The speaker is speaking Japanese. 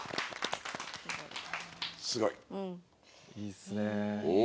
すごい！いいですね。